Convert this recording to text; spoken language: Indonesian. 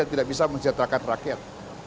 dan tidak bisa menciptakan rakyat